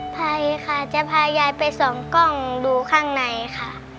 ไปค่ะจะพายายไปส่องกล้องดูข้างในค่ะ